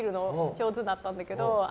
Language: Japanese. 上手だったんだけど。